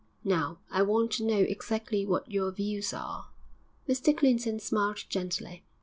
Now, I want to know exactly what you views are.' Mr Clinton smiled gently.